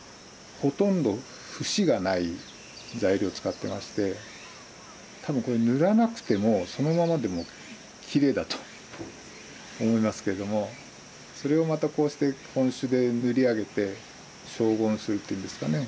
ほとんど節がない材料使ってまして多分これ塗らなくてもそのままでもきれいだと思いますけどもそれをまたこうして本朱で塗り上げて荘厳するっていうんですかね